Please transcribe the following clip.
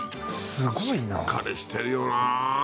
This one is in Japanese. すごいなしっかりしてるよな